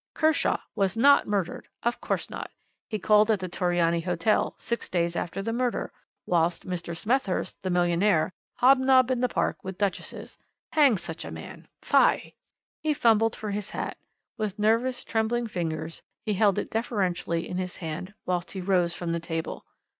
he! Kershaw was not murdered! Of course not. He called at the Torriani Hotel six days after the murder, whilst Mr. Smethurst, the millionaire, hobnobbed in the park with duchesses! Hang such a man! Fie!" He fumbled for his hat. With nervous, trembling fingers he held it deferentially in his hand whilst he rose from the table.